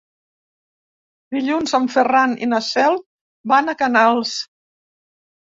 Dilluns en Ferran i na Cel van a Canals.